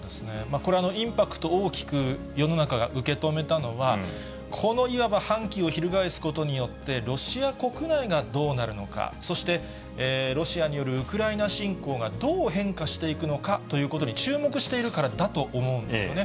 これ、インパクト大きく世の中が受け止めたのは、このいわば反旗を翻すことによって、ロシア国内がどうなるのか、そしてロシアによるウクライナ侵攻がどう変化していくのかということに注目しているからだと思うんですよね。